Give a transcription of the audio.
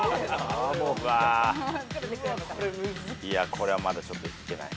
これはまだちょっといけない。